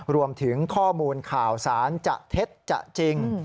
รวมถึงข้อมูลข่าวสารจะเท็จจะจริง